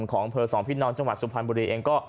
ของเผอร์สองพิษน้อนจังหวัดสุพรรณบุรีเอง